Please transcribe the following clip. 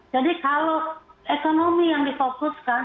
jadi kalau ekonomi yang difokuskan